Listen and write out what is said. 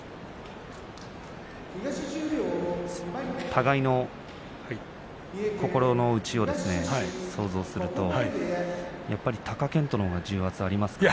互いの心の内を想像するとやっぱり貴健斗のほうが重圧ありますか？